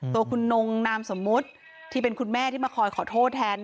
ตัวคุณนงนามสมมุติที่เป็นคุณแม่ที่มาคอยขอโทษแทน